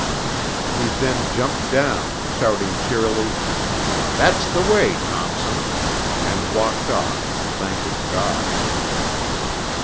He then jumped down, shouting cheerily, 'That's the way, Thompson,' and walked off, thanking God.